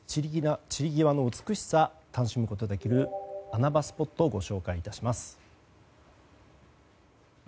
散り際の美しさを楽しむことができる穴場スポットをご紹介いたします。